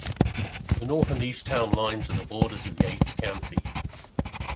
The north and east town lines are the border of Yates County.